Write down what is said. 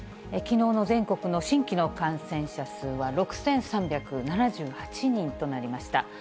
きのうの全国の新規の感染者数は６３７８人となりました。